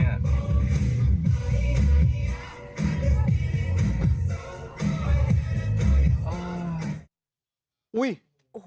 กะชนกูอยู่แหละ